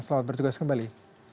selamat bertugas kembali